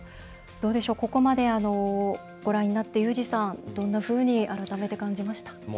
ここまで、ご覧になってユージさんどんなふうに改めて感じました？